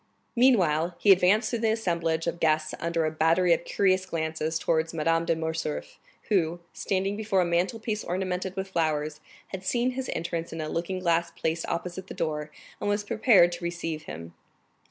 30301m Meanwhile he advanced through the assemblage of guests under a battery of curious glances towards Madame de Morcerf, who, standing before a mantle piece ornamented with flowers, had seen his entrance in a looking glass placed opposite the door, and was prepared to receive him.